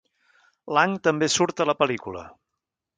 Lang també surt a la pel·lícula.